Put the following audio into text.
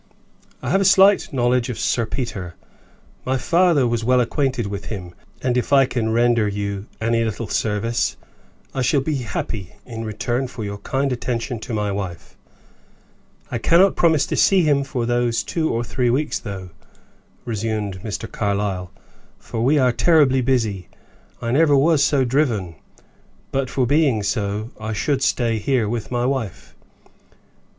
I have a slight knowledge of Sir Peter; my father was well acquainted with him; and if I can render you any little service, I shall be happy, in return for your kind attention to my wife. I cannot promise to see him for those two or three weeks, though," resumed Mr. Carlyle, "for we are terribly busy. I never was so driven; but for being so I should stay here with my wife."